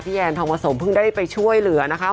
พี่แอนทองประสมพึ่งได้ไปช่วยเหลือนะคะ